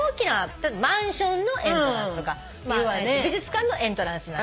「マンションのエントランス」とか「美術館のエントランス」